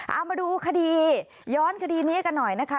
เอามาดูคดีย้อนคดีนี้กันหน่อยนะคะ